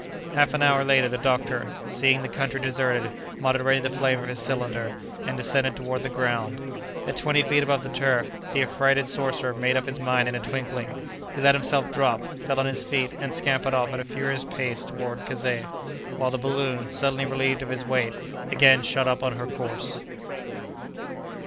Half an hour later, the doctor, seeing the country deserted, moderated the flame of his cylinder, and descended toward the ground. At twenty feet above the turf, the affrighted sorcerer made up his mind in a twinkling: he let himself drop, fell on his feet, and scampered off at a furious pace toward Kazeh; while the balloon, suddenly relieved of his weight, again shot up on her course.